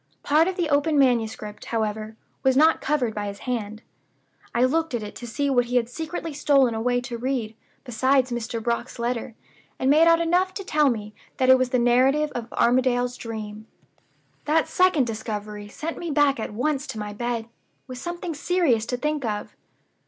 Part of the open manuscript, however, was not covered by his hand. I looked at it to see what he had secretly stolen away to read, besides Mr. Brock's letter; and made out enough to tell me that it was the Narrative of Armadale's Dream. "That second discovery sent me back at once to my bed with something serious to think of.